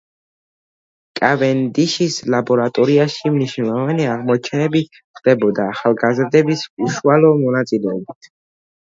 კავენდიშის ლაბორატორიაში მნიშვნელოვანი აღმოჩენები ხდებოდა ახალგაზრდების უშუალო მონაწილეობით.